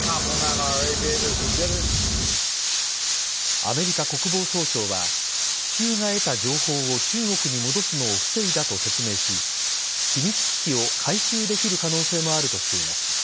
アメリカ国防総省は気球が得た情報を中国に戻すのを防いだと説明し機密機器を回収できる可能性もあるとしています。